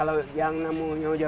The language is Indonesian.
jawi yang dikebiri lebih lemak